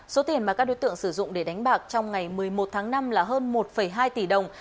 số tiền mà các đối tượng sử dụng để đánh bạc trong ngày một mươi một tháng năm là hơn một hai tỷ đồng